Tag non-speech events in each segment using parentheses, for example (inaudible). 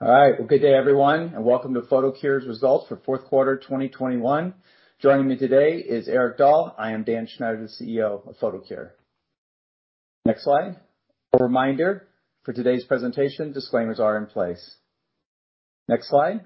All right. Well, good day everyone, and welcome to Photocure's results for Fourth Quarter 2021. Joining me today is Erik Dahl. I am Dan Schneider, the CEO of Photocure. Next slide. A reminder, for today's presentation disclaimers are in place. Next slide.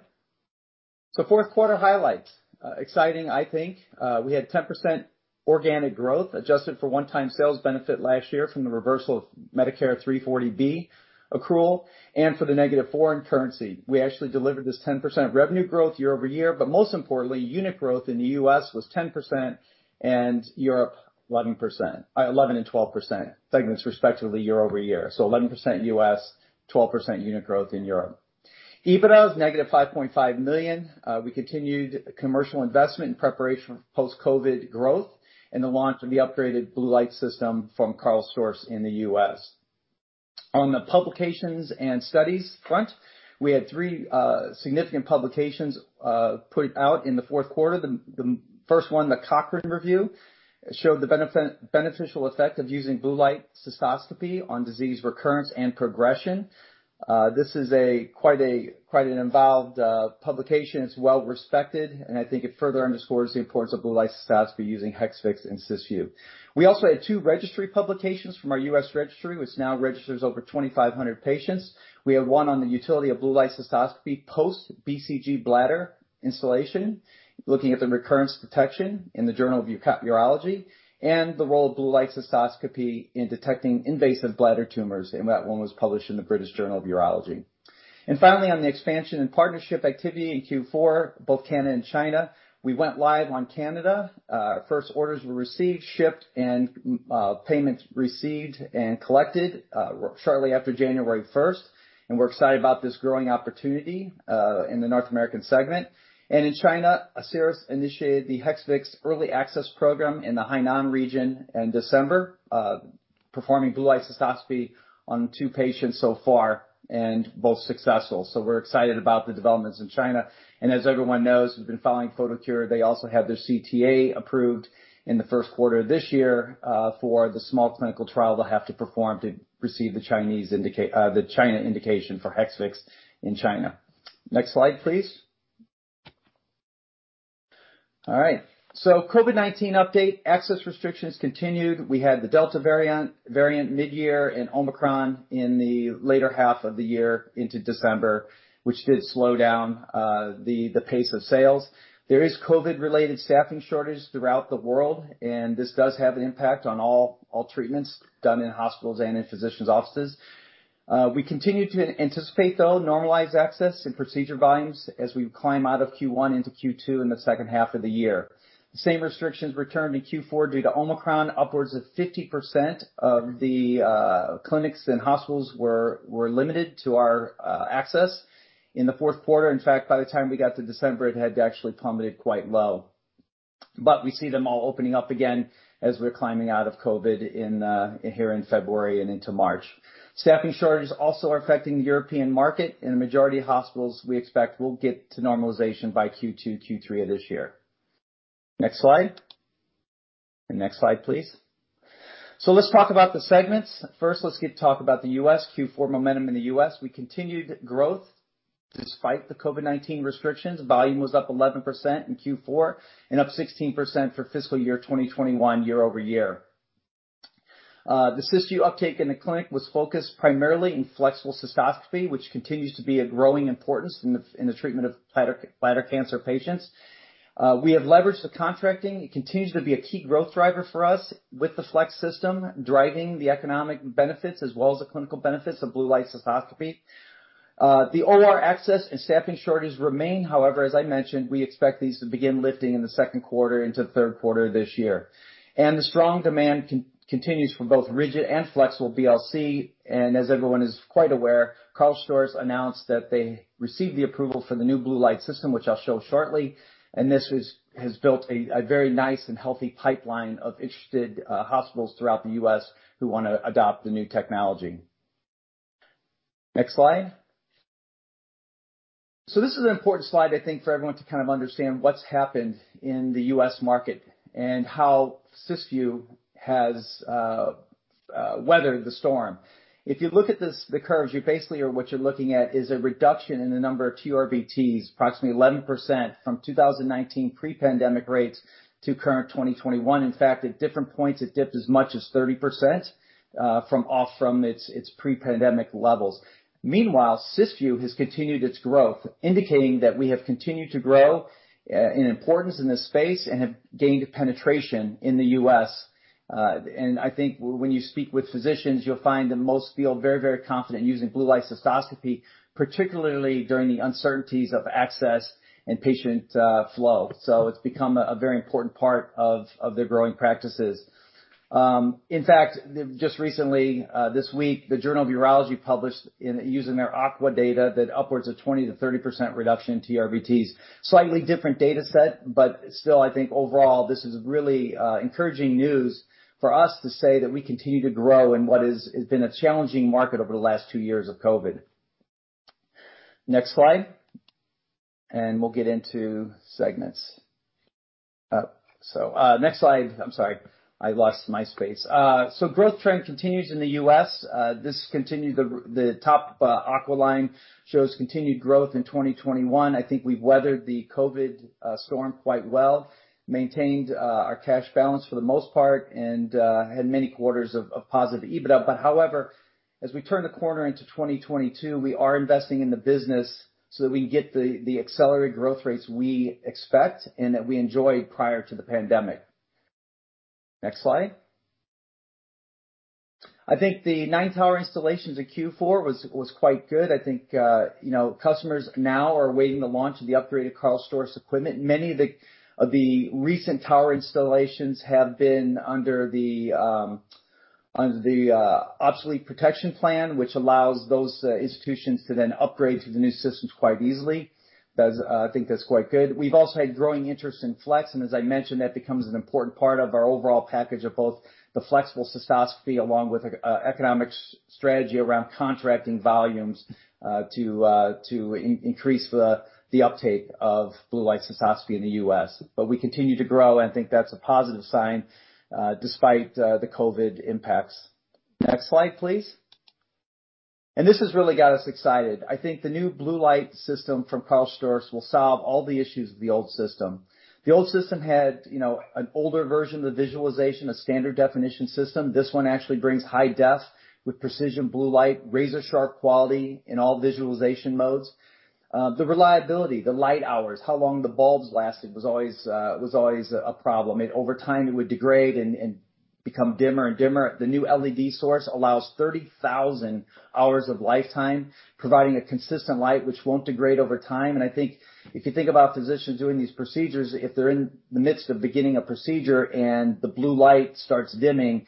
Fourth quarter highlights. Exciting, I think. We had 10% organic growth adjusted for one-time sales benefit last year from the reversal of Medicare 340B accrual and for the negative foreign currency. We actually delivered this 10% revenue growth year-over-year, but most importantly, unit growth in the U.S. was 10% and Europe 11%. 11% and 12% segments respectively year-over-year. 11% U.S., 12%-unit growth in Europe. EBITDA was -5.5 million. We continued commercial investment in preparation for post-COVID growth and the launch of the upgraded blue light system from Karl Storz in the U.S. On the publications and studies front, we had three significant publications put out in the fourth quarter. The first one, the Cochrane review, showed the beneficial effect of using blue light cystoscopy on disease recurrence and progression. This is quite an involved publication. It's well-respected, and I think it further underscores the importance of blue light cystoscopy using Hexvix and Cysview. We also had two registry publications from our U.S. registry, which now registers over 2,500 patients. We had one on the utility of blue light cystoscopy post BCG bladder instillation, looking at the recurrence protection in The Journal of Urology, and the role of blue light cystoscopy in detecting invasive bladder tumors, and that one was published in the British Journal of Urology. Finally, on the expansion and partnership activity in Q4, both Canada and China, we went live in Canada. First orders were received, shipped, and payments received and collected, shortly after January 1st, 2022. We're excited about this growing opportunity in the North American segment. In China, Asieris initiated the Hexvix early access program in the Hainan region in December, performing blue light cystoscopy on two patients so far and both successful. We're excited about the developments in China. As everyone knows who's been following Photocure, they also have their CTA approved in the first quarter of this year for the small clinical trial they'll have to perform to receive the China indication for Hexvix in China. Next slide, please. All right. COVID-19 update. Access restrictions continued. We had the Delta variant mid-year and Omicron in the later half of the year into December, which did slow down the pace of sales. There is COVID-related staffing shortages throughout the world, and this does have an impact on all treatments done in hospitals and in physicians' offices. We continue to anticipate, though, normalized access and procedure volumes as we climb out of Q1 into Q2 in the second half of the year. The same restrictions returned in Q4 due to Omicron. Upwards of 50% of the clinics and hospitals were limited to our access in the fourth quarter. In fact, by the time we got to December, it had actually plummeted quite low. We see them all opening up again as we're climbing out of COVID in here in February and into March. Staffing shortages also are affecting the European market. In a majority of hospitals, we expect we'll get to normalization by Q2, Q3 of this year. Next slide. Next slide, please. Let's talk about the segments. First, let's get to talk about the U.S., Q4 momentum in the U.S. We continued growth despite the COVID-19 restrictions. Volume was up 11% in Q4 and up 16% for fiscal year 2021 year over year. The Cysview uptake in the clinic was focused primarily in flexible cystoscopy, which continues to be a growing importance in the treatment of bladder cancer patients. We have leveraged the contracting. It continues to be a key growth driver for us with the flex system driving the economic benefits as well as the clinical benefits of blue light cystoscopy. The OR access and staffing shortages remain. However, as I mentioned, we expect these to begin lifting in the second quarter into third quarter this year. The strong demand continues for both rigid and flexible BLC. As everyone is quite aware, Karl Storz announced that they received the approval for the new blue light system, which I'll show shortly. This has built a very nice and healthy pipeline of interested hospitals throughout the U.S. who want to adopt the new technology. Next slide. This is an important slide, I think, for everyone to kind of understand what's happened in the U.S. market and how Cysview has weathered the storm. If you look at this, the curves, what you're looking at is a reduction in the number of TURBTs, approximately 11% from 2019 pre-pandemic rates to current 2021. In fact, at different points it dipped as much as 30%, from its pre-pandemic levels. Meanwhile, Cysview has continued its growth, indicating that we have continued to grow in importance in this space and have gained penetration in the U.S. I think when you speak with physicians, you'll find that most feel very confident using blue light cystoscopy, particularly during the uncertainties of access and patient flow. It's become a very important part of their growing practices. In fact, just recently, this week, The Journal of Urology published, using their AQUA data, that upwards of 20% to 30% reduction in TURBTs. Slightly different data set, but still I think overall this is really encouraging news for us to say that we continue to grow in what has been a challenging market over the last two years of COVID. Next slide. We'll get into segments. Next slide. I'm sorry, I lost my place. Growth trend continues in the U.S. This continues the top AQUA line shows continued growth in 2021. I think we've weathered the COVID storm quite well, maintained our cash balance for the most part and had many quarters of positive EBITDA. However, as we turn the corner into 2022, we are investing in the business so that we can get the accelerated growth rates we expect and that we enjoyed prior to the pandemic. Next slide. I think the nine tower installations in Q4 was quite good. I think you know, customers now are awaiting the launch of the upgraded Karl Storz equipment. Many of the recent tower installations have been under the obsolescence protection plan, which allows those institutions to then upgrade to the new systems quite easily. That is, I think that's quite good. We've also had growing interest in flex, and as I mentioned, that becomes an important part of our overall package of both the flexible cystoscopy along with economic strategy around contracting volumes, to increase the uptake of blue light cystoscopy in the U.S. We continue to grow, and I think that's a positive sign, despite the COVID impacts. Next slide, please. This has really got us excited. I think the new blue light system from Karl Storz will solve all the issues of the old system. The old system had, you know, an older version of the visualization, a standard definition system. This one actually brings high def with precision blue light, razor-sharp quality in all visualization modes. The reliability, the light hours, how long the bulbs lasted was always a problem. Over time, it would degrade and become dimmer and dimmer. The new LED source allows 30,000 hours of lifetime, providing a consistent light which won't degrade over time. I think if you think about physicians doing these procedures, if they're in the midst of beginning a procedure and the blue light starts dimming, you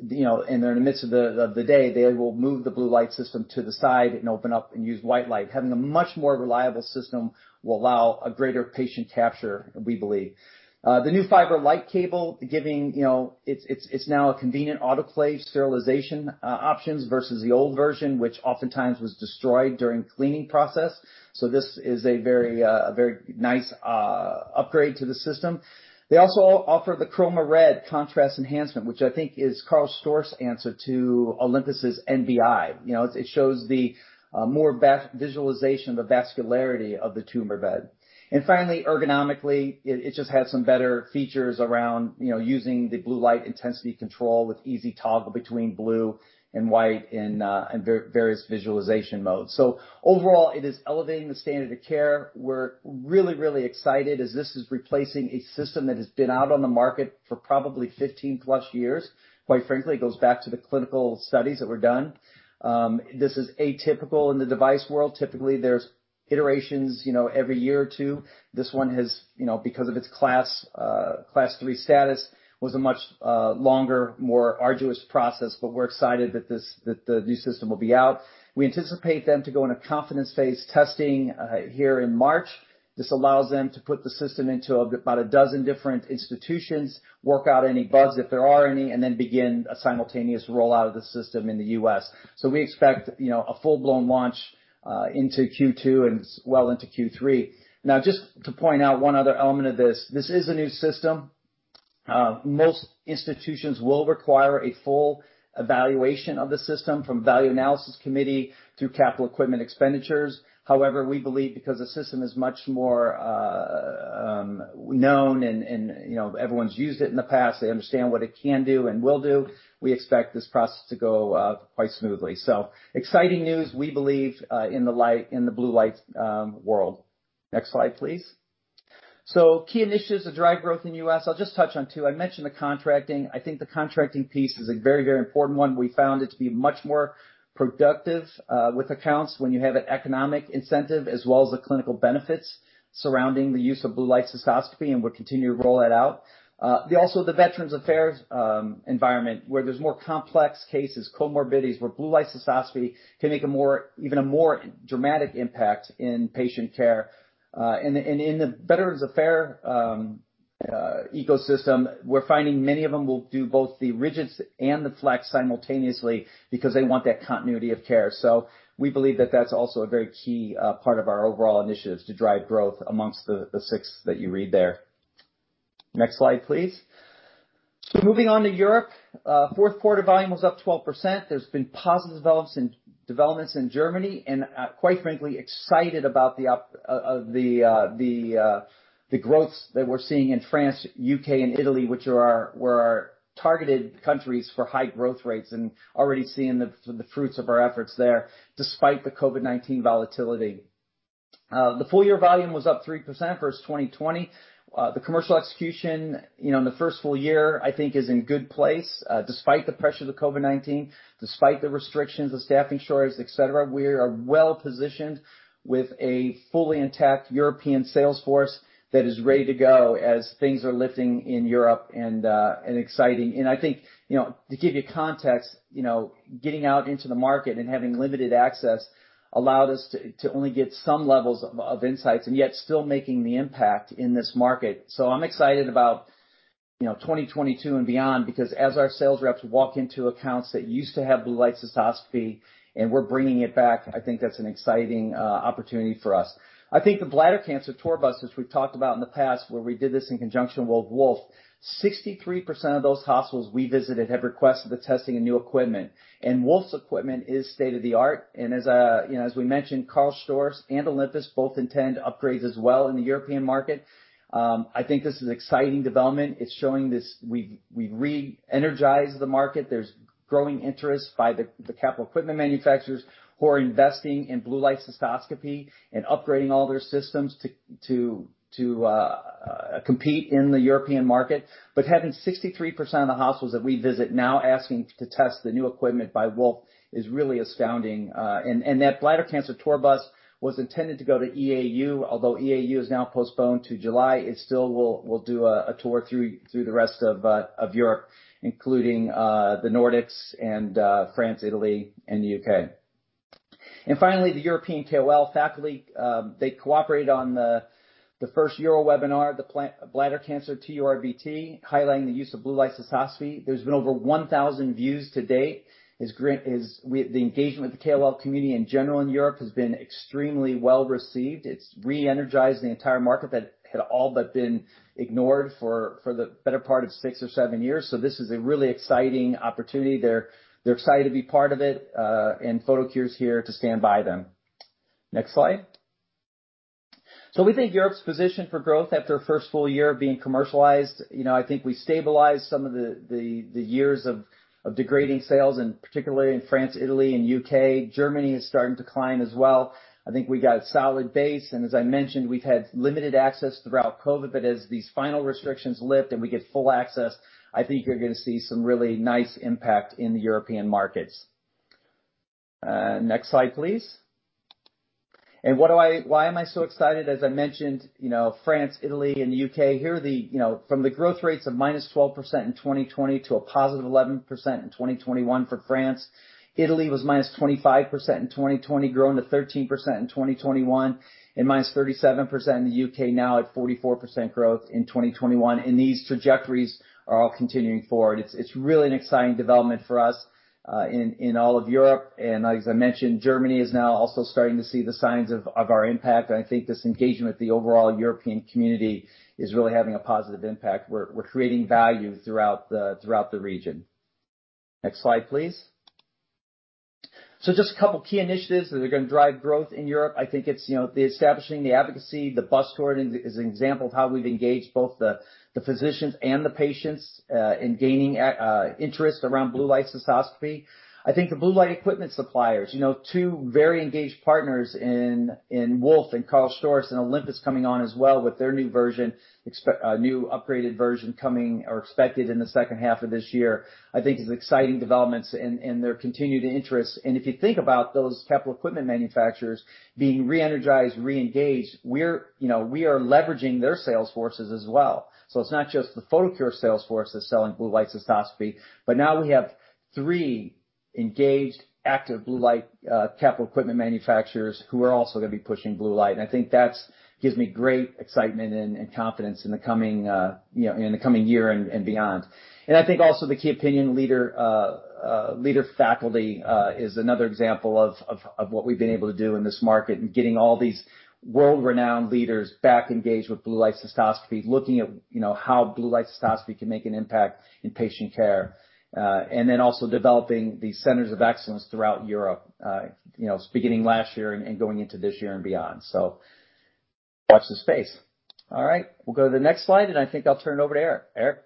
know, and they're in the midst of the day, they will move the blue light system to the side and open up and use white light. Having a much more reliable system will allow a greater patient capture, we believe. The new fiber light cable giving, you know, it's now a convenient autoclave sterilization options versus the old version, which oftentimes was destroyed during cleaning process. This is a very nice upgrade to the system. They also offer the CHROMA red contrast enhancement, which I think is Karl Storz answer to Olympus' NBI. You know, it shows the more visualization of the vascularity of the tumor bed. Finally, ergonomically it just has some better features around, you know, using the blue light intensity control with easy toggle between blue and white and various visualization modes. Overall, it is elevating the standard of care. We're really excited as this is replacing a system that has been out on the market for probably 15+ years. Quite frankly, it goes back to the clinical studies that were done. This is atypical in the device world. Typically, there's iterations, you know, every year or two. This one has, you know, because of its Class III status, was a much longer, more arduous process, but we're excited that the new system will be out. We anticipate them to go in a confidence phase testing here in March. This allows them to put the system into about a dozen different institutions, work out any bugs if there are any, and then begin a simultaneous rollout of the system in the U.S. We expect, you know, a full-blown launch into Q2 and well into Q3. Now, just to point out one other element of this. This is a new system. Most institutions will require a full evaluation of the system from value analysis committee through capital equipment expenditures. However, we believe because the system is much more known and, you know, everyone's used it in the past, they understand what it can do and will do, we expect this process to go quite smoothly. Exciting news, we believe, in the blue light world. Next slide, please. Key initiatives to drive growth in the U.S. I'll just touch on two. I mentioned the contracting. I think the contracting piece is a very, very important one. We found it to be much more productive with accounts when you have an economic incentive as well as the clinical benefits surrounding the use of blue light cystoscopy, and we'll continue to roll that out. Also, the Veterans Affairs environment where there's more complex cases, comorbidities, where blue light cystoscopy can make an even more dramatic impact in patient care. And in the Veterans Affairs ecosystem, we're finding many of them will do both the rigids and the flex simultaneously because they want that continuity of care. We believe that that's also a very key part of our overall initiatives to drive growth amongst the six that you read there. Next slide, please. Moving on to Europe. Fourth quarter volume was up 12%. There's been positive developments in Germany, and quite frankly, I'm excited about the uptick in the growth that we're seeing in France, U.K., and Italy, which were our targeted countries for high growth rates and already seeing the fruits of our efforts there despite the COVID-19 volatility. The full year volume was up 3% versus 2020. The commercial execution, you know, in the first full year, I think is in a good place, despite the pressure of the COVID-19, despite the restrictions, the staffing shortage, et cetera. We are well-positioned with a fully intact European sales force that is ready to go as things are lifting in Europe and it's exciting. I think, you know, to give you context, you know, getting out into the market and having limited access allowed us to only get some levels of insights and yet still making the impact in this market. I'm excited about you know, 2022 and beyond, because as our sales reps walk into accounts that used to have blue light cystoscopy and we're bringing it back, I think that's an exciting opportunity for us. I think the bladder cancer tour buses we've talked about in the past where we did this in conjunction with Wolf, 63% of those hospitals we visited have requested the testing of new equipment. Wolf's equipment is state-of-the-art. As you know, as we mentioned, Karl Storz and Olympus both intend upgrades as well in the European market. I think this is exciting development. It's showing this. We've re-energized the market. There's growing interest by the capital equipment manufacturers who are investing in blue light cystoscopy and upgrading all their systems to compete in the European market. Having 63% of the hospitals that we visit now asking to test the new equipment by Wolf is really astounding. That bladder cancer tour bus was intended to go to EAU, although EAU is now postponed to July. It still will do a tour through the rest of Europe, including the Nordics and France, Italy, and the U.K. Finally, the European KOL faculty they cooperated on the first Euro webinar, the bladder cancer TURBT, highlighting the use of blue light cystoscopy. There's been over 1,000 views to date. The engagement with the KOL community in general in Europe has been extremely well-received. It's re-energized the entire market that had all but been ignored for the better part of six or seven years. This is a really exciting opportunity. They're excited to be part of it, and Photocure's here to stand by them. Next slide. We think Europe's positioned for growth after a first full year of being commercialized. You know, I think we stabilized some of the years of degrading sales, and particularly in France, Italy, and U.K. Germany is starting to climb as well. I think we got a solid base, and as I mentioned, we've had limited access throughout COVID, but as these final restrictions lift and we get full access, I think you're gonna see some really nice impact in the European markets. Next slide, please. Why am I so excited? As I mentioned, you know, France, Italy, and the U.K., here are the, you know, from the growth rates of -12% in 2020 to a +11% in 2021 for France. Italy was -25% in 2020, growing to 13% in 2021, and -37% in the U.K., now at 44% growth in 2021. These trajectories are all continuing forward. It's really an exciting development for us in all of Europe. As I mentioned, Germany is now also starting to see the signs of our impact. I think this engagement with the overall European community is really having a positive impact. We're creating value throughout the region. Next slide, please. Just a couple key initiatives that are gonna drive growth in Europe. I think it's the establishing the advocacy. The bus tour is an example of how we've engaged both the physicians and the patients in gaining interest around blue light cystoscopy. I think the blue light equipment suppliers two very engaged partners in Wolf and Karl Storz, and Olympus coming on as well with their new upgraded version coming or expected in the second half of this year. I think it's exciting developments and their continued interest. If you think about those capital equipment manufacturers being re-energized, re-engaged, you know, we are leveraging their sales forces as well. It's not just the Photocure sales force that's selling blue light cystoscopy, but now we have three engaged, active blue light capital equipment manufacturers who are also gonna be pushing blue light. I think that's gives me great excitement and confidence in the coming year and beyond. I think also the key opinion leader leader faculty is another example of what we've been able to do in this market in getting all these world-renowned leaders back engaged with blue light cystoscopy, looking at, you know, how blue light cystoscopy can make an impact in patient care. also developing these centers of excellence throughout Europe, you know, beginning last year and going into this year and beyond. Watch the space. All right, we'll go to the next slide, and I think I'll turn it over to Erik. Erik?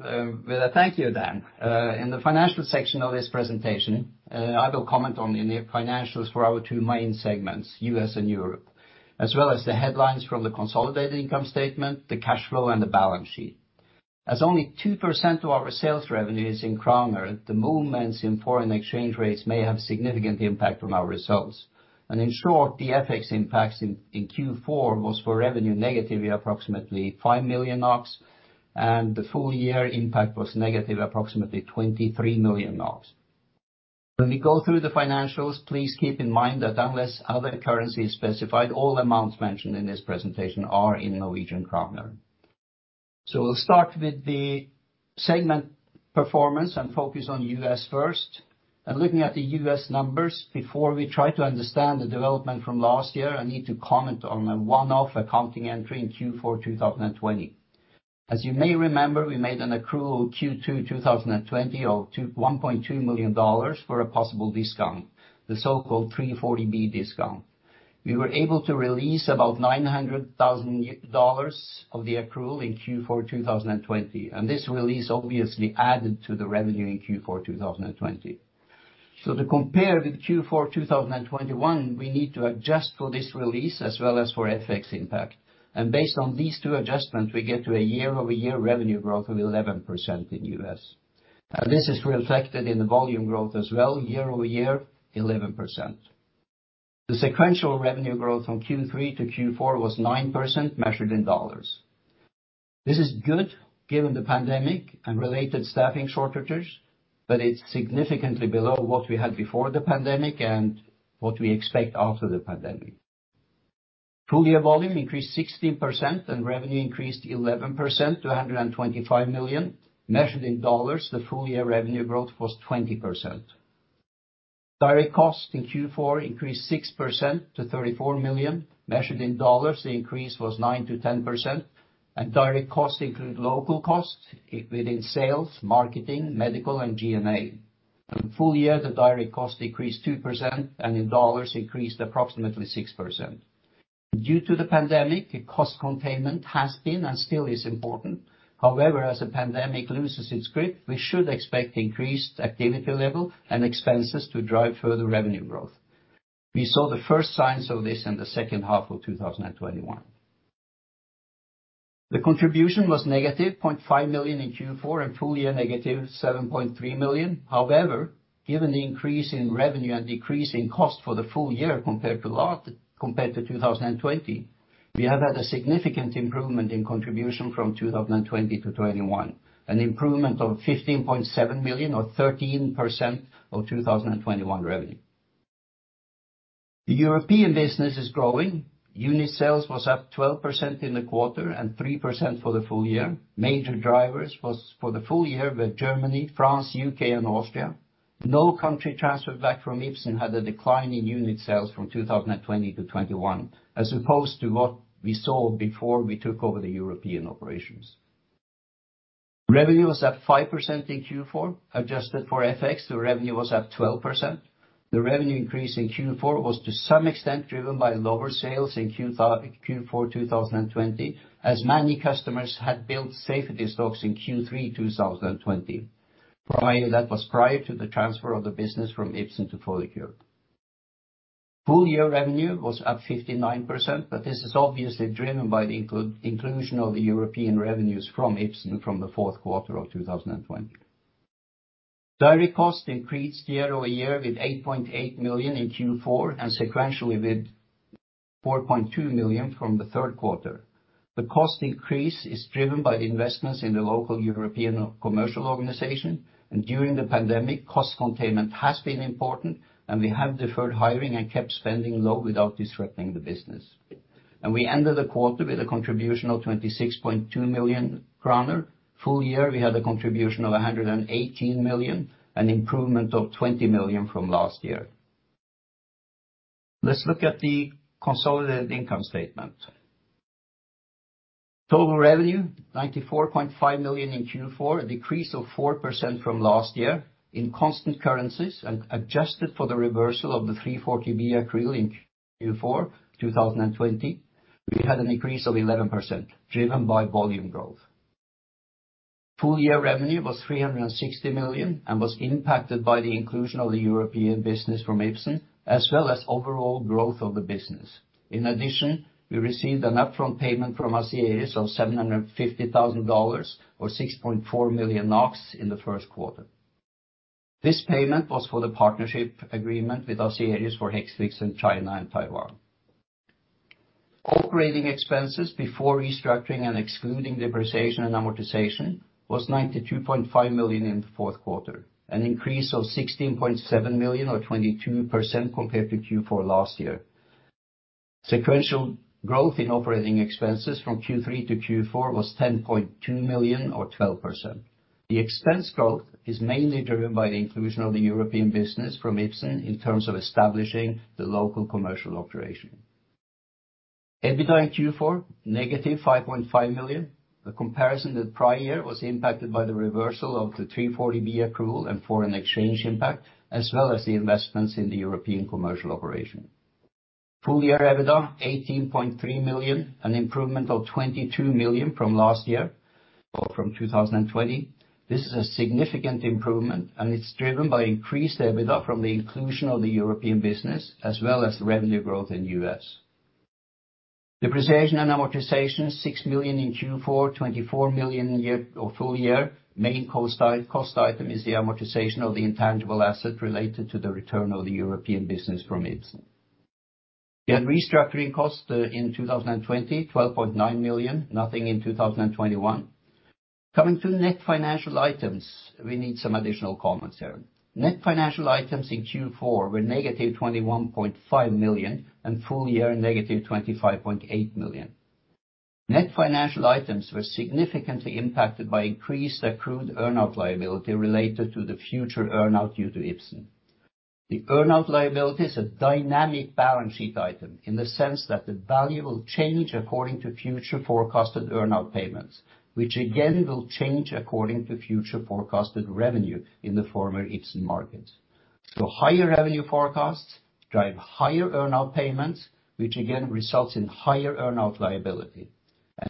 In the financial section of this presentation, I will comment on the financials for our two main segments, U.S. and Europe, as well as the headlines from the consolidated income statement, the cash flow, and the balance sheet. Only 2% of our sales revenue is in kroner, the movements in foreign exchange rates may have significant impact on our results. In short, the FX impacts in Q4 was for revenue negative approximately 5 million NOK. The full year impact was negative approximately 23 million NOK. When we go through the financials, please keep in mind that unless other currency is specified, all amounts mentioned in this presentation are in Norwegian kroner. We'll start with the segment performance and focus on U.S. first. Looking at the U.S. numbers, before we try to understand the development from last year, I need to comment on a one-off accounting entry in Q4 2020. As you may remember, we made an accrual Q2 2020 of $1.2 million for a possible discount, the so-called 340B discount. We were able to release about $900,000 of the accrual in Q4 2020, and this release obviously added to the revenue in Q4 2020. To compare with Q4 2021, we need to adjust for this release as well as for FX impact. Based on these two adjustments, we get to a year-over-year revenue growth of 11% in U.S. This is reflected in the volume growth as well, year-over-year, 11%. The sequential revenue growth from Q3 to Q4 was 9% measured in dollars. This is good given the pandemic and related staffing shortages, but it's significantly below what we had before the pandemic and what we expect after the pandemic. Full-year volume increased 16% and revenue increased 11% to 125 million. Measured in dollars, the full-year revenue growth was 20%. Direct costs in Q4 increased 6% to 34 million. Measured in dollars, the increase was 9% to 10%. Direct costs include local costs within sales, marketing, medical, and GMA. In full year, the direct cost decreased 2%, and in dollars, increased approximately 6%. Due to the pandemic, cost containment has been, and still is, important. However, as the pandemic loses its grip, we should expect increased activity level and expenses to drive further revenue growth. We saw the first signs of this in the second half of 2021. The contribution was -0.5 million in Q4, and full year -7.3 million. However, given the increase in revenue and decrease in cost for the full year compared to 2020, we have had a significant improvement in contribution from 2020 to 2021. An improvement of 15.7 million or 13% of 2021 revenue. The European business is growing. Unit sales was up 12% in the quarter and 3% for the full year. Major drivers for the full year were Germany, France, U.K., and Austria. No country transferred back from Ipsen had a decline in unit sales from 2020 to 2021, as opposed to what we saw before we took over the European operations. Revenue was up 5% in Q4. Adjusted for FX, the revenue was up 12%. The revenue increase in Q4 was to some extent driven by lower sales in Q4 2020, as many customers had built safety stocks in Q3 2020. That was prior to the transfer of the business from Ipsen to Photocure. Full year revenue was up 59%, but this is obviously driven by the inclusion of the European revenues from Ipsen from the fourth quarter of 2020. Direct costs increased year-over-year with 8.8 million in Q4, and sequentially with 4.2 million from the third quarter. The cost increase is driven by the investments in the local European commercial organization, and during the pandemic, cost containment has been important, and we have deferred hiring and kept spending low without disrupting the business. We ended the quarter with a contribution of 26.2 million kroner. Full year, we had a contribution of 118 million, an improvement of 20 million from last year. Let's look at the consolidated income statement. Total revenue, 94.5 million in Q4, a decrease of 4% from last year. In constant currencies and adjusted for the reversal of the 340B accrual in Q4 2020, we had an increase of 11% driven by volume growth. Full year revenue was 360 million and was impacted by the inclusion of the European business from Ipsen, as well as overall growth of the business. In addition, we received an upfront payment from Asieris of $750,000, or 6.4 million NOK in the first quarter. This payment was for the partnership agreement with Ascletis for Hexvix in China and Taiwan. Operating expenses before restructuring and excluding depreciation and amortization was 92.5 million in the fourth quarter, an increase of 16.7 million or 22% compared to Q4 last year. Sequential growth in operating expenses from Q3 to Q4 was 10.2 million or 12%. The expense growth is mainly driven by the inclusion of the European business from Ipsen in terms of establishing the local commercial operation. EBITDA in Q4, -5.5 million. The comparison with prior year was impacted by the reversal of the 340B accrual and foreign exchange impact, as well as the investments in the European commercial operation. Full year EBITDA, 18.3 million, an improvement of 22 million from last year or from 2020. This is a significant improvement, and it's driven by increased EBITDA from the inclusion of the European business as well as revenue growth in U.S. Depreciation and amortization, 6 million in Q4, 24 million a year or full year. Main cost item is the amortization of the intangible asset related to the return of the European business from Ipsen. We had restructuring costs in 2020, 12.9 million. Nothing in 2021. Coming to net financial items, we need some additional comments here. Net financial items in Q4 were -21.5 million, and full year, -25.8 million. Net financial items were significantly impacted by increased accrued earnout liability related to the future earnout due to Ipsen. The earnout liability is a dynamic balance sheet item in the sense that the value will change according to future forecasted earnout payments, which again will change according to future forecasted revenue in the former Ipsen markets. Higher revenue forecasts drive higher earnout payments, which again results in higher earnout liability.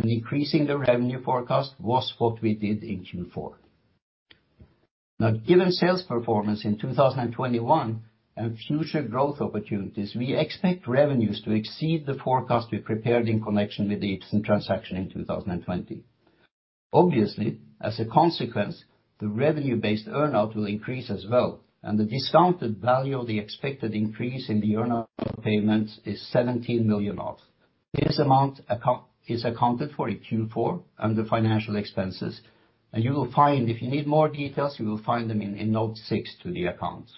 Increasing the revenue forecast was what we did in Q4. Now, given sales performance in 2021 and future growth opportunities, we expect revenues to exceed the forecast we prepared in connection with the Ipsen transaction in 2020. Obviously, as a consequence, the revenue-based earn-out will increase as well, and the discounted value of the expected increase in the earn-out payments is 17 million. This amount is accounted for in Q4 under financial expenses. You will find. If you need more details, you will find them in note six to the accounts.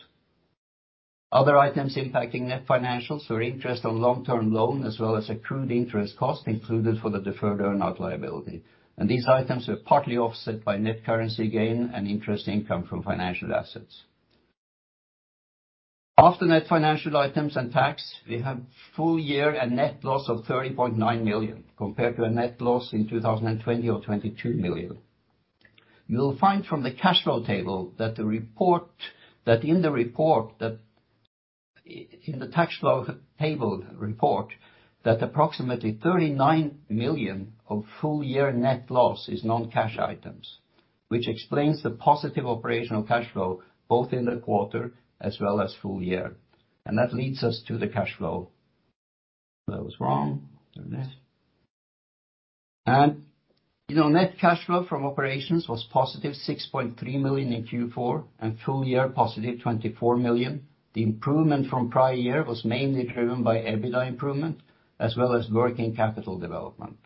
Other items impacting net financials are interest on long-term loan, as well as accrued interest cost included for the deferred earn-out liability. These items are partly offset by net currency gain and interest income from financial assets. After net financial items and tax, we have full year net loss of 30.9 million compared to a net loss in 2020 of 22 million. You will find in the cash flow table that approximately 39 million of full year net loss is non-cash items, which explains the positive operational cash flow, both in the quarter as well as full year. That leads us to the cash flow. That was wrong. Net cash flow from operations was +6.3 million in Q4 and full year +24 million. The improvement from prior year was mainly driven by EBITDA improvement as well as working capital development.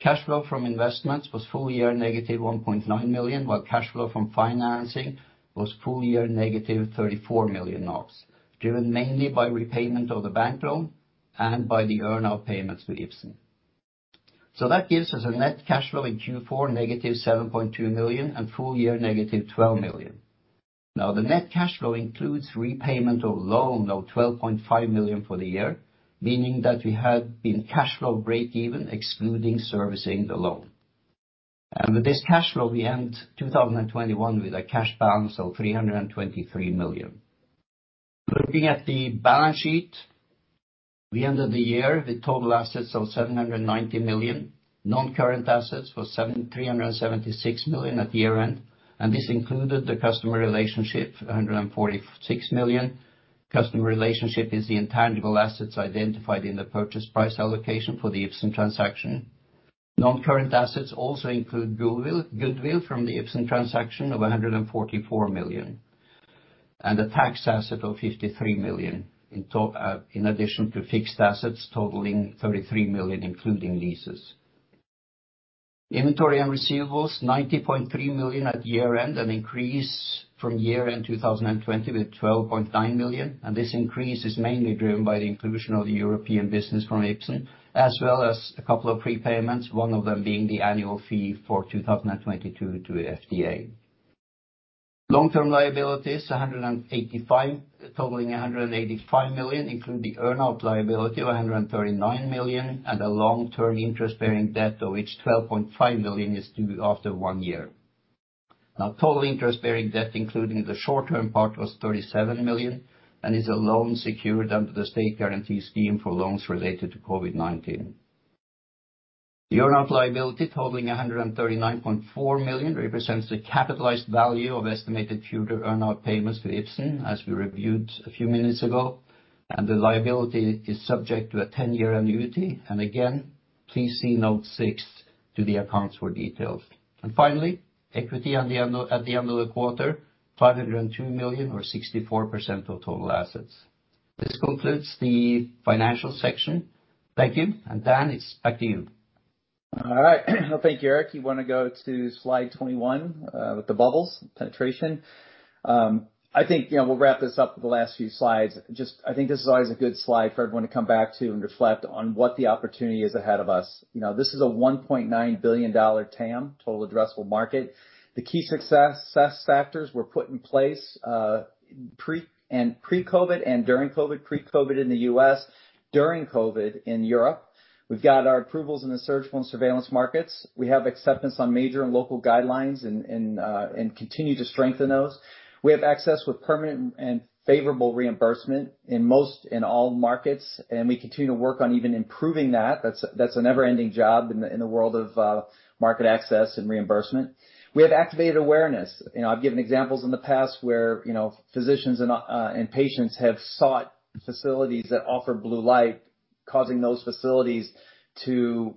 Cash flow from investments was full year -1.9 million, while cash flow from financing was full year -34 million NOK, driven mainly by repayment of the bank loan and by the earn-out payments to Ipsen. That gives us a net cash flow in Q4 -7.2 million and full year -12 million. Now, the net cash flow includes repayment of loan of 12.5 million for the year, meaning that we had been cash flow break even excluding servicing the loan. With this cash flow, we end 2021 with a cash balance of 323 million. Looking at the balance sheet, we ended the year with total assets of 790 million. Non-current assets was 376 million at year-end, and this included the customer relationship, 146 million. Customer relationship is the intangible assets identified in the purchase price allocation for the Ipsen transaction. Non-current assets also include goodwill from the Ipsen transaction of 144 million, and a tax asset of 53 million in addition to fixed assets totaling 33 million, including leases. Inventory and receivables, 90.3 million at year-end, an increase from year-end 2020 with 12.9 million, and this increase is mainly driven by the inclusion of the European business from Ipsen, as well as a couple of prepayments, one of them being the annual fee for 2022 to FDA. Long-term liabilities totaling 185 million include the earn-out liability of 139 million and a long-term interest-bearing debt, of which 12.5 million is due after one year. Now, total interest bearing debt, including the short-term part, was 37 million and is a loan secured under the state guarantee scheme for loans related to COVID-19. The earn-out liability totaling 139.4 million represents the capitalized value of estimated future earn-out payments to Ipsen, as we reviewed a few minutes ago, and the liability is subject to a 10-year annuity. Again, please see note six to the accounts for details. Finally, equity at the end of the quarter, 502 million or 64% of total assets. This concludes the financial section. Thank you. Dan, it's back to you. All right. Well, thank you, Erik. You want to go to slide 21 with the global penetration. I think, you know, we'll wrap this up with the last few slides. Just I think this is always a good slide for everyone to come back to and reflect on what the opportunity is ahead of us. You know, this is a $1.9 billion TAM, total addressable market. The key success factors were put in place pre-COVID and during COVID, pre-COVID in the U.S., during COVID in Europe. We've got our approvals in the surgical and surveillance markets. We have acceptance on major and local guidelines and continue to strengthen those. We have access with permanent and favorable reimbursement in all markets, and we continue to work on even improving that. That's a never-ending job in the world of market access and reimbursement. We have activated awareness. You know, I've given examples in the past where, you know, physicians and patients have sought facilities that offer blue light, causing those facilities to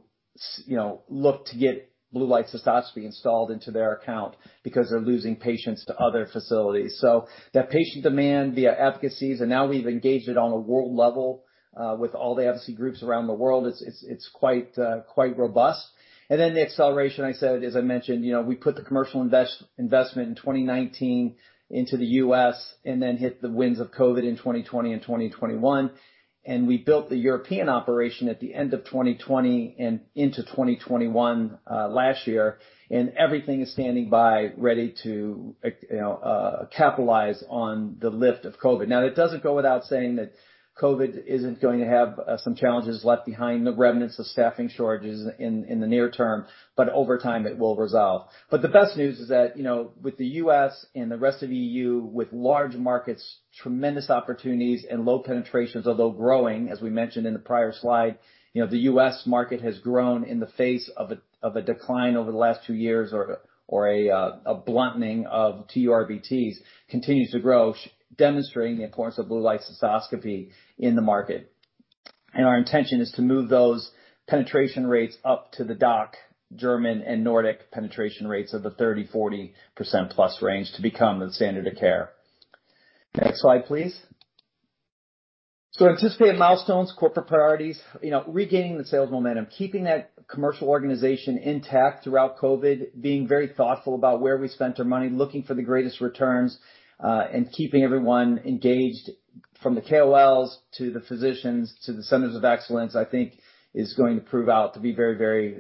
you know, look to get blue light cystoscopy installed into their account because they're losing patients to other facilities. That patient demand via advocacies, and now we've engaged it on a world level with all the advocacy groups around the world. It's quite robust. The acceleration, I said, as I mentioned, you know, we put the commercial investment in 2019 into the U.S. and then hit the winds of COVID in 2020 and 2021. We built the European operation at the end of 2020 and into 2021, last year. Everything is standing by ready to, you know, capitalize on the lift of COVID. Now, it doesn't go without saying that COVID isn't going to have some challenges left behind, the remnants of staffing shortages in the near term, but over time, it will resolve. The best news is that, you know, with the U.S. and the rest of EU, with large markets, tremendous opportunities and low penetrations, although growing, as we mentioned in the prior slide. You know, the U.S. market has grown in the face of a decline over the last two years or a blunting of TURBTs. It continues to grow, demonstrating the importance of blue light cystoscopy in the market. Our intention is to move those penetration rates up to the Dutch, German and Nordic penetration rates of the 30%, 40%+ range to become the standard of care. Next slide, please. Anticipated milestones, corporate priorities. You know, regaining the sales momentum, keeping that commercial organization intact throughout COVID, being very thoughtful about where we spent our money, looking for the greatest returns, and keeping everyone engaged from the KOLs to the physicians to the centers of excellence, I think is going to prove out to be very, very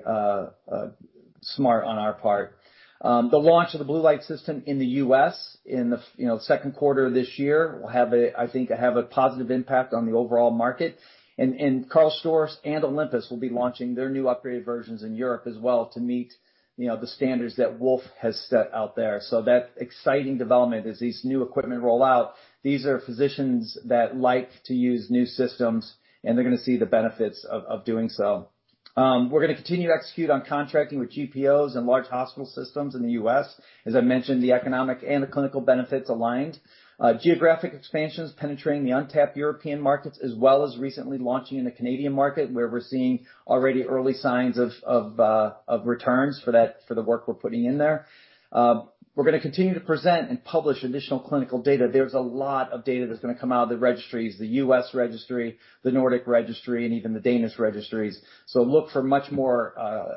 smart on our part. The launch of the blue light system in the U.S. in the second quarter of this year will have a positive impact on the overall market. I think, have a positive impact on the overall market. Karl Storz and Olympus will be launching their new upgraded versions in Europe as well to meet, you know, the standards that Wolf has set out there. That's exciting development as these new equipment roll out. These are physicians that like to use new systems, and they're going to see the benefits of doing so. We're gonna continue to execute on contracting with GPOs and large hospital systems in the U.S. As I mentioned, the economic and the clinical benefits aligned. Geographic expansions penetrating the untapped European markets, as well as recently launching in the Canadian market, where we're seeing already early signs of returns for the work we're putting in there. We're gonna continue to present and publish additional clinical data. There's a lot of data that's gonna come out of the registries, the U.S. registry, the Nordic registry, and even the Danish registries. Look for much more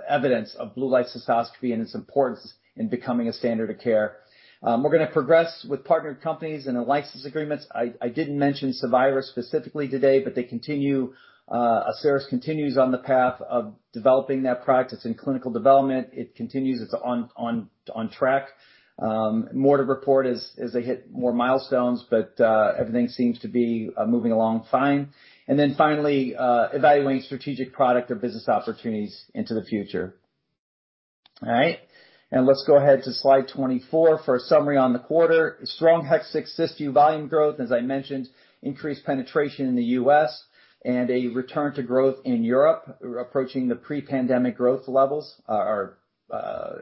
evidence of blue light cystoscopy and its importance in becoming a standard of care. We're gonna progress with partnered companies and the license agreements. I didn't mention Cevira specifically today, but Asieris continues on the path of developing that product in clinical development. It continues. It's on track. More to report as they hit more milestones, but everything seems to be moving along fine. Finally, evaluating strategic product or business opportunities into the future. All right? Let's go ahead to slide 24 for a summary on the quarter. Strong Hexvix Cysview volume growth, as I mentioned, increased penetration in the U.S. and a return to growth in Europe, approaching the pre-pandemic growth levels or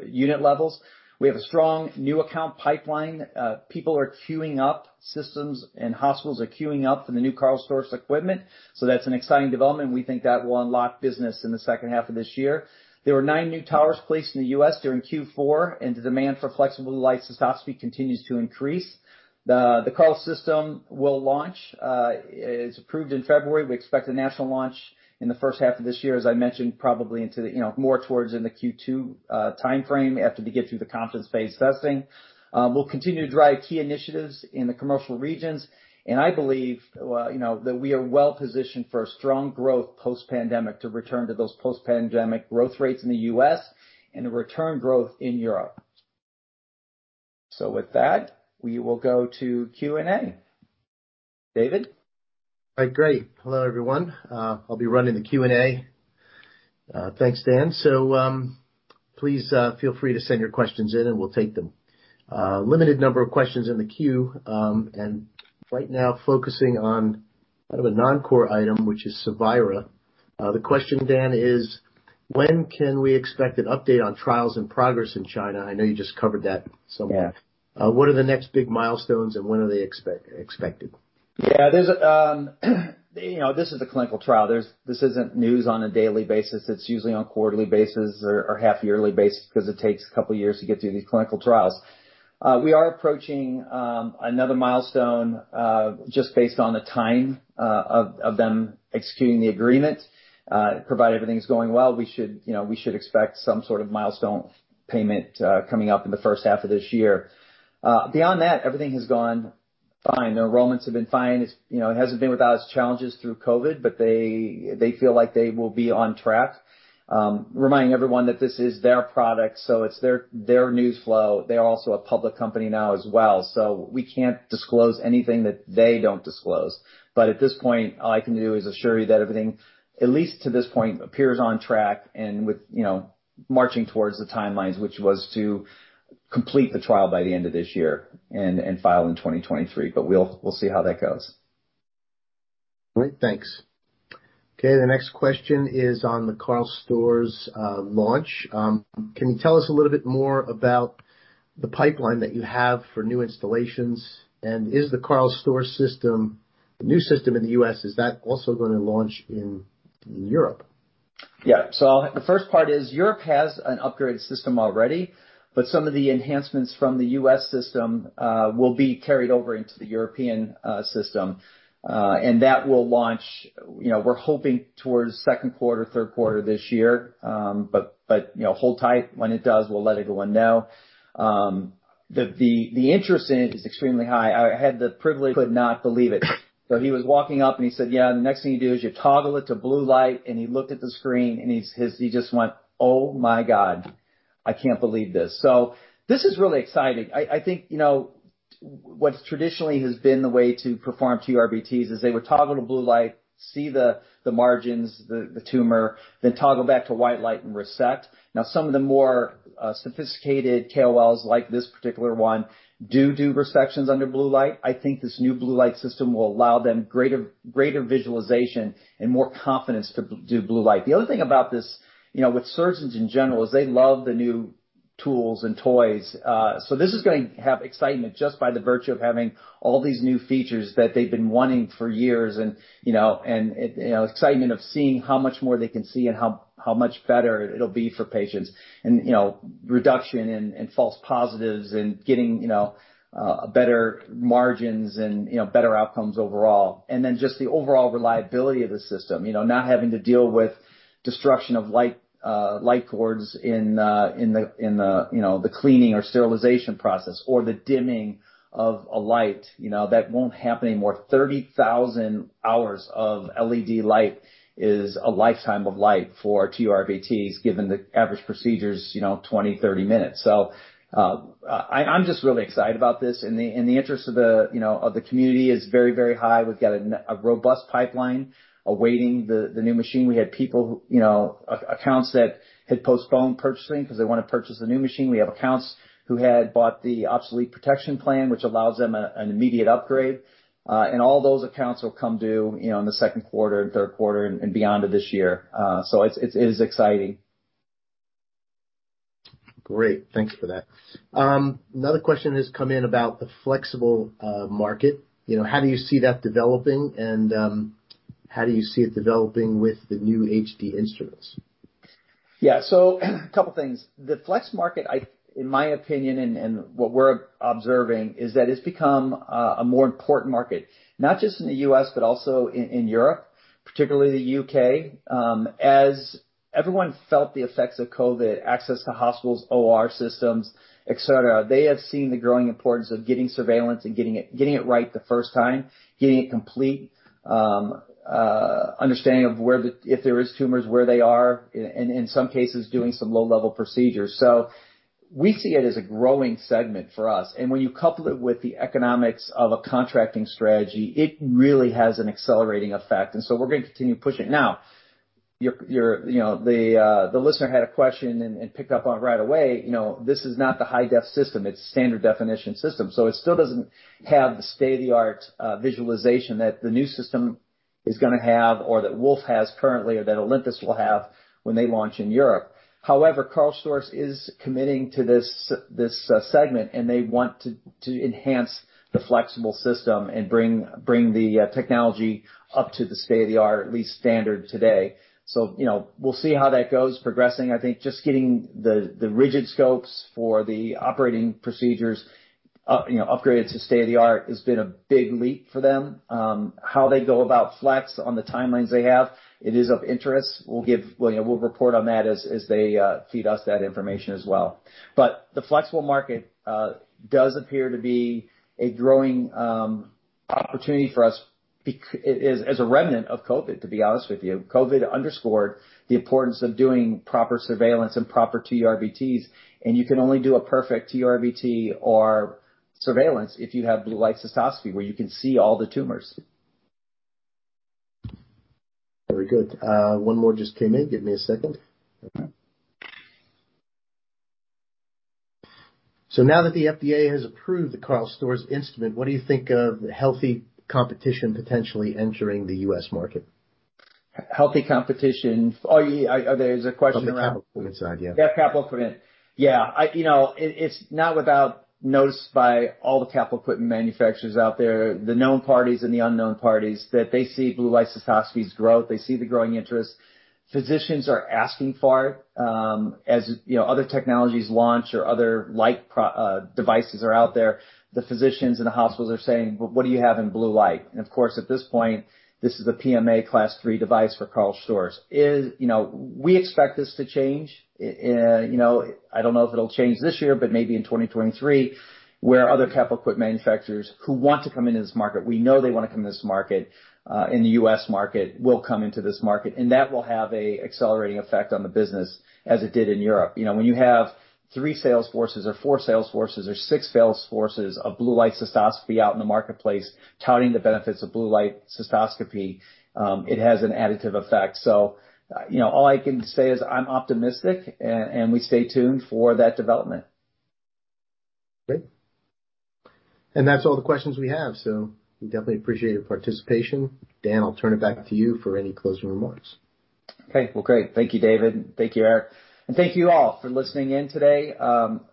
unit levels. We have a strong new account pipeline. People are queuing up systems and hospitals are queuing up for the new Karl Storz equipment. So that's an exciting development, and we think that will unlock business in the second half of this year. There were nine new towers placed in the U.S. during Q4, and the demand for flexible light cystoscopy continues to increase. The Karl system will launch. It's approved in February. We expect a national launch in the first half of this year, as I mentioned, probably into the, you know, more towards in the Q2 timeframe after we get through the confidence phase testing. We'll continue to drive key initiatives in the commercial regions, and I believe, well, you know, that we are well positioned for a strong growth post-pandemic to return to those post-pandemic growth rates in the U.S. and a return growth in Europe. With that, we will go to Q&A. David? All right. Great. Hello, everyone. I'll be running the Q&A. Thanks, Dan. Please, feel free to send your questions in, and we'll take them. Limited number of questions in the queue, and right now focusing on kind of a non-core item, which is Cevira. The question, Dan, is when can we expect an update on trials and progress in China? I know you just covered that somewhat. Yeah. What are the next big milestones, and when are they expected? Yeah. There's you know, this is a clinical trial. This isn't news on a daily basis. It's usually on quarterly basis or half yearly basis because it takes a couple of years to get through these clinical trials. We are approaching another milestone just based on the time of them executing the agreement. Provided everything's going well, we should you know, we should expect some sort of milestone payment coming up in the first half of this year. Beyond that, everything has gone fine. The enrollments have been fine. It's you know, it hasn't been without its challenges through COVID, but they feel like they will be on track. Reminding everyone that this is their product, so it's their news flow. They are also a public company now as well, so we can't disclose anything that they don't disclose. At this point, all I can do is assure you that everything, at least to this point, appears on track and with, you know, marching towards the timelines, which was to complete the trial by the end of this year and file in 2023. We'll see how that goes. All right. Thanks. Okay, the next question is on the Karl Storz launch. Can you tell us a little bit more about the pipeline that you have for new installations? Is the Karl Storz system, the new system in the U.S., is that also gonna launch in Europe? The first part is Europe has an upgraded system already, but some of the enhancements from the U.S. system will be carried over into the European system. That will launch, you know, we're hoping towards second quarter, third quarter this year. You know, hold tight. When it does, we'll let everyone know. The interest in it is extremely high. I had the privilege. Could not believe it. He was walking up, and he said, "Yeah, the next thing you do is you toggle it to blue light." He looked at the screen, and he just went, "Oh, my God. I can't believe this." This is really exciting. I think, you know, what traditionally has been the way to perform TURBTs is they would toggle to blue light, see the margins, the tumor, then toggle back to white light and resect. Now, some of the more sophisticated KOLs like this particular one do resections under blue light. I think this new blue light system will allow them greater visualization and more confidence to do blue light. The other thing about this, you know, with surgeons in general, is they love the new tools and toys. This is going to have excitement just by the virtue of having all these new features that they've been wanting for years and, you know, excitement of seeing how much more they can see and how much better it'll be for patients. You know, reduction in false positives and getting, you know, better margins and, you know, better outcomes overall. Then just the overall reliability of the system. You know, not having to deal with destruction of light cords in the cleaning or sterilization process or the dimming of a light. You know, that won't happen anymore. 30,000 hours of LED light is a lifetime of light for TURBTs, given the average procedure's, you know, 20 to 30 minutes. I'm just really excited about this. The interest of the community is very, very high. We've got a robust pipeline awaiting the new machine. We had people, you know, accounts that had postponed purchasing cause they want to purchase the new machine. We have accounts who had bought the obsolete protection plan, which allows them an immediate upgrade. All those accounts will come due, you know, in the second quarter and third quarter and beyond of this year. It's exciting. Great. Thanks for that. Another question has come in about the flexible market. You know, how do you see that developing, and how do you see it developing with the new HD instruments? Yeah. Couple things. The flex market. In my opinion and what we're observing is that it's become a more important market. Not just in the U.S., but also in Europe, particularly the U.K. As everyone felt the effects of COVID, access to hospitals, OR systems, et cetera, they have seen the growing importance of getting surveillance and getting it right the first time, getting a complete understanding of where if there is tumors, where they are, and in some cases doing some low-level procedures. We see it as a growing segment for us. When you couple it with the economics of a contracting strategy, it really has an accelerating effect. We're gonna continue pushing. Now, you know, the listener had a question and picked up on right away. You know, this is not the high-def system. It's standard definition system. It still doesn't have the state-of-the-art visualization that the new system is gonna have or that Wolf has currently or that Olympus will have when they launch in Europe. However, Karl Storz is committing to this segment, and they want to enhance the flexible system and bring the technology up to the state of the art, at least standard today. You know, we'll see how that goes progressing. I think just getting the rigid scopes for the operating procedures up, you know, upgraded to state of the art has been a big leap for them. How they go about flex on the timelines they have, it is of interest. Well, you know, we'll report on that as they feed us that information as well. The flexible market does appear to be a growing opportunity for us as a remnant of COVID, to be honest with you. COVID underscored the importance of doing proper surveillance and proper TURBTs, and you can only do a perfect TURBT or surveillance if you have blue light cystoscopy where you can see all the tumors. Very good. One more just came in. Give me a second. Okay. Now that the FDA has approved the Karl Storz instrument, what do you think of healthy competition potentially entering the U.S. market? Healthy competition. Oh, there's a question around... (crosstalk) (crosstalk) From the capital equipment side, yeah. Yeah, capital equipment. Yeah. You know, it's not without notice by all the capital equipment manufacturers out there, the known parties and the unknown parties, that they see blue light cystoscopy's growth. They see the growing interest. Physicians are asking for it. As you know, other technologies launch or other light devices are out there, the physicians in the hospitals are saying, "Well, what do you have in blue light?" Of course, at this point, this is a PMA Class III device for Karl Storz. You know, we expect this to change. You know, I don't know if it'll change this year, but maybe in 2023, when other capital equipment manufacturers who want to come into this market, we know they want to come to this market, in the U.S. market, will come into this market. That will have an accelerating effect on the business as it did in Europe. You know, when you have three sales forces or four sales forces or six sales forces of blue light cystoscopy out in the marketplace touting the benefits of blue light cystoscopy, it has an additive effect. You know, all I can say is I'm optimistic and we stay tuned for that development. Great. That's all the questions we have, so we definitely appreciate your participation. Dan, I'll turn it back to you for any closing remarks. Okay. Well, great. Thank you, David. Thank you, Erik. Thank you all for listening in today. Again,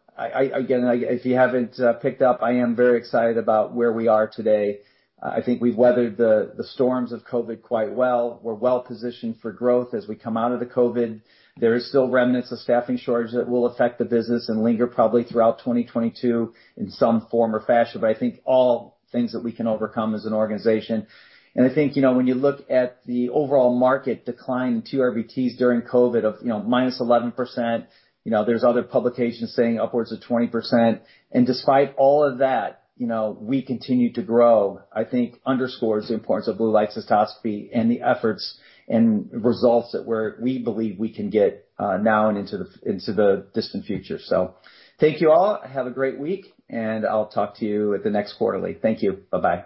if you haven't picked up, I am very excited about where we are today. I think we've weathered the storms of COVID quite well. We're well-positioned for growth as we come out of the COVID. There is still remnants of staffing shortage that will affect the business and linger probably throughout 2022 in some form or fashion, but I think all things that we can overcome as an organization. I think, you know, when you look at the overall market decline in TURBTs during COVID of -11%, there's other publications saying upwards of 20%. Despite all of that, you know, we continue to grow. I think underscores the importance of blue light cystoscopy and the efforts and results that we believe we can get, now and into the distant future. Thank you all. Have a great week, and I'll talk to you at the next quarterly. Thank you. Bye-bye.